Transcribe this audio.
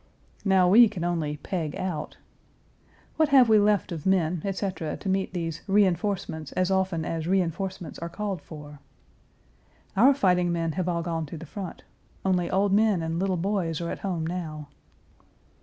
Now we can only peg out. What have we left of men, etc., to meet these "reenforcements as often as reenforcements are called for?" Our fighting men have all gone to the front; only old men and little boys are at home now.